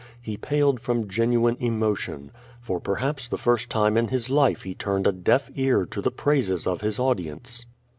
He paled from genuine emotion. For perhaps the first time in his life he turned a deaf ear to the praises of his audience.